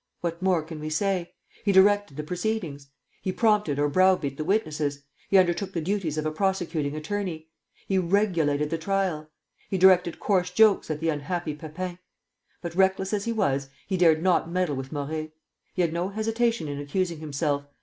What more can we say? He directed the proceedings. He prompted or browbeat the witnesses, he undertook the duties of a prosecuting attorney. He regulated the trial.... He directed coarse jokes at the unhappy Pepin; but reckless as he was, he dared not meddle with Morey. He had no hesitation in accusing himself.